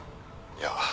いや。